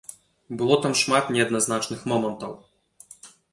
Было там шмат неадназначных момантаў.